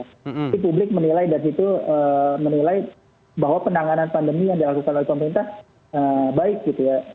jadi publik menilai dari situ menilai bahwa penanganan pandemi yang dilakukan oleh pemerintah baik gitu ya